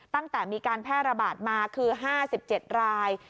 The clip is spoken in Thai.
ตั้งแต่มีการแพร่ระบาดมาคือ๕๗ราย